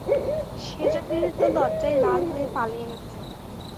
সেজদিদি তো লজ্জায় লাল হয়ে পালিয়ে গেছে।